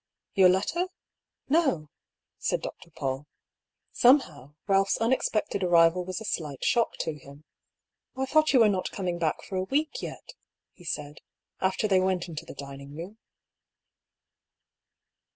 "Your letter? No," said Dr. PauU. Somehow, THE BEGINNING OF THE SEQUEL. 183 Ealph's unexpected arrival was a slight shock to him. " I thought you were not coming back for a week yet," he said, after they went into the dining room.